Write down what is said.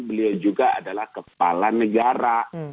beliau juga adalah kepala negara